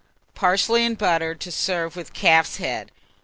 PARSLEY AND BUTTER, to serve with Calf's Head.